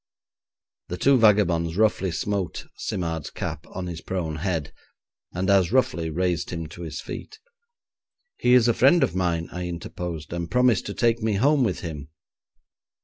The two vagabonds roughly smote Simard's cap on his prone head, and as roughly raised him to his feet. 'He is a friend of mine,' I interposed, 'and promised to take me home with him.'